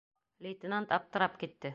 Лейтенант аптырап китте.